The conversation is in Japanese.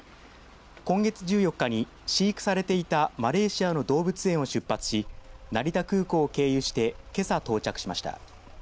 今月１４日に飼育されていたマレーシアの動物園を出発し成田空港を経由してけさ、到着しました。